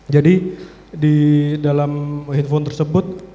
jadi di dalam handphone tersebut